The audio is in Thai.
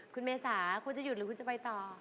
คุณเมษาคุณจะหยุดหรือคุณจะไปต่อ